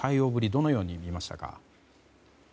どのように見ましたか？